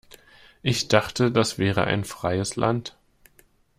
Ich dachte, das wäre ein freies Land.